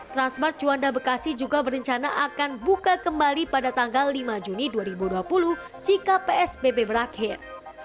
transmart juanda bekasi juga berencana akan buka kembali pada tanggal lima juni dua ribu dua puluh jika psbb berakhir